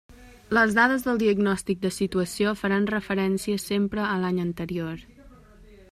Les dades del diagnòstic de situació faran referència sempre a l'any anterior.